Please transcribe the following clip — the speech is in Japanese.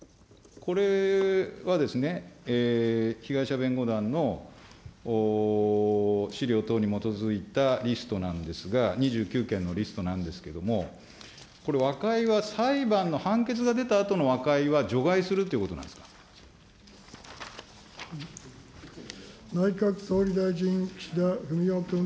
これはですね、被害者弁護団の資料等に基づいたリストなんですが、２９件のリストなんですけれども、これ、和解は裁判の判決が出たあとの和解は除外するということなんです内閣総理大臣、岸田文雄君。